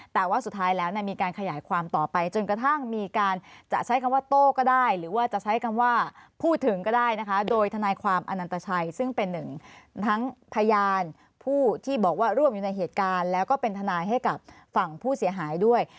แต่ว่าสุดท้ายแล้วมีการขยายความต่อไปจนกระทั่งมีการจะใช้คำว่าโต้ก็ได้หรือว่าจะใช้คำว่าพูดถึงก็ได้นะคะโดยทนายความอนันตชัยซึ่งเป็นหนึ่งทั้งพยานผู้ที่บอกว่าร่วมอยู่ในเหตุการณ์แล้วก็เป็นทนายให้กับฝั่งผู้เสียหายด้วย